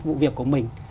vụ việc của mình